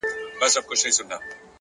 زړورتیا ویره کمزورې کوي